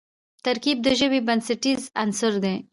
ترکیب د ژبي بنسټیز عنصر دئ.